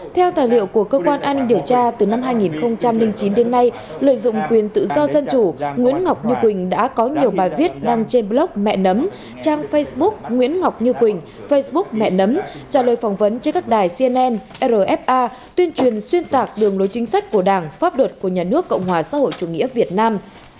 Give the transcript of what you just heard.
theo tài liệu của cơ quan an ninh điều tra từ năm hai nghìn chín đến nay lợi dụng quyền tự do dân chủ nguyễn ngọc như quỳnh đã có nhiều bài viết đăng trên blog mẹ nấm trang facebook nguyễn ngọc như quỳnh facebook mẹ nấm trả lời phỏng vấn trên các đài cnn rfa tuyên truyền xuyên tạc đường lối chính sách của đảng pháp luật của nhà nước cộng hòa xã hội chủ nghĩa việt nam